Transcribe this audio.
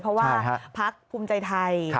เพราะว่าพักภูมิใจไทย